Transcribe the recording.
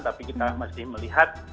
tapi kita masih melihat